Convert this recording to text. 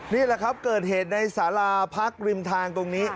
นี่แหละครับเกิดเหตุในสาราพักริมทางตรงนี้